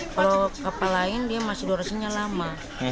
kalau kapal lain dia masih durasinya lama